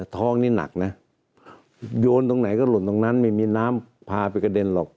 ท้องนี่หนักนะโยนตรงไหนก็หล่นตรงนั้นไม่มีน้ำพาไปกระเด็นหรอก